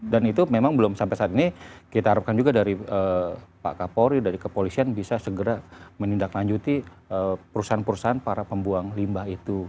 dan itu memang belum sampai saat ini kita harapkan juga dari pak kapolri dari kepolisian bisa segera menindaklanjuti perusahaan perusahaan para pembuang limbah itu